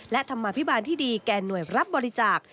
และธรรมาภิบาลที่ดีแก่หน่วยรับบริจาค